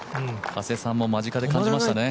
加瀬さんも間近で感じましたね。